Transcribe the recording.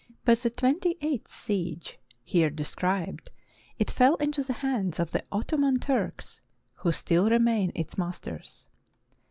By the twenty eighth siege, here described, it fell into the hands of the Ottoman Turks, who still remain its masters.